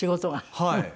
はい。